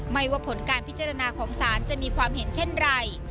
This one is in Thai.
ว่าผลการพิจารณาของศาลจะมีความเห็นเช่นไร